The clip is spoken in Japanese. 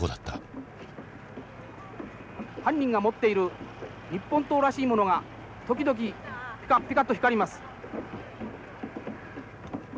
「犯人が持っている日本刀らしいものが時々ピカピカと光ります」。